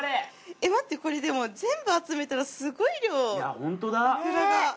えっ待ってこれでも全部集めたらすごい量イクラが。